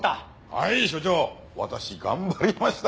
はい署長私頑張りました！